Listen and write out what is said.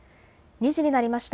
２時になりました。